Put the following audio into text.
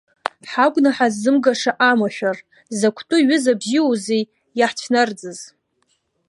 Ҳагәнаҳа ззымгаша амашәыр, закәтәы ҩыза бзиоузеи иаҳцәнарӡыз.